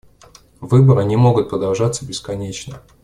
Выборы не могут продолжаться бесконечно.